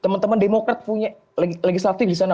teman teman demokrat punya legislatif di sana